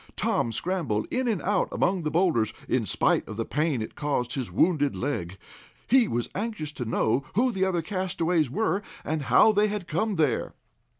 Tom scrambled in and out among the boulders, in spite of the pain it caused his wounded leg. He was anxious to know who the other castaways were, and how they had come there.